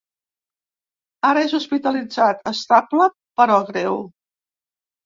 Ara és hospitalitzat, estable però greu.